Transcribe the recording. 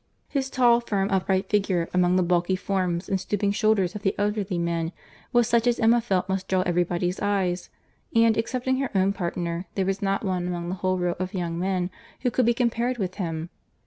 His tall, firm, upright figure, among the bulky forms and stooping shoulders of the elderly men, was such as Emma felt must draw every body's eyes; and, excepting her own partner, there was not one among the whole row of young men who could be compared with him.